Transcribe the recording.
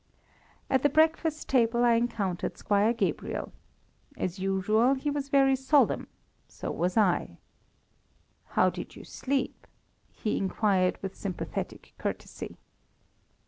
At the breakfast table I encountered Squire Gabriel. As usual he was very solemn, so was I. "How did you sleep?" he inquired, with sympathetic courtesy.